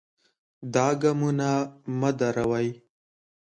دا ګامونه مه دروئ.